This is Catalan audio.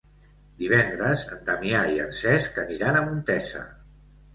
Divendres en Damià i en Cesc aniran a Montesa.